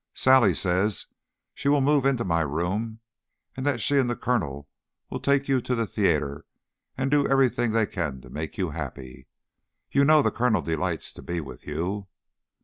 Sally says she will move into my room and that she and the Colonel will take you to the theatre and do everything they can to make you happy. You know the Colonel delights to be with you."